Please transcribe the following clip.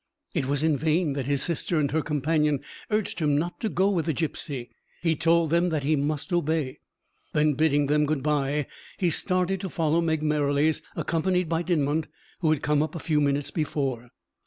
It was in vain that his sister and her companion urged him not to go with the gipsy. He told them he must obey. Then, bidding them good bye, he started to follow Meg Merrilies, accompanied by Dinmont, who had come up a few minutes before.